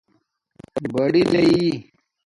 بڑاری